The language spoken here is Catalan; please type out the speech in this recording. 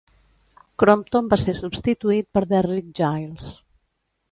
Crompton va ser substituït per Derrick Gyles.